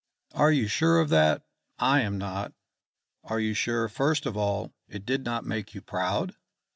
"Are you sure of that? I am not. Are you sure, first of all, it did not make you proud?